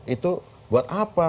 itu buat apa